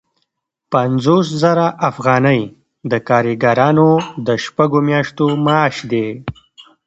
پنځوس زره افغانۍ د کارګرانو د شپږو میاشتو معاش دی